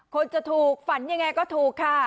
คนจะถูกฝันยังไงก็ถูกค่ะ